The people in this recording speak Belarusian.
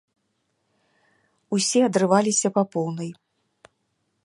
Усе адрываліся па поўнай.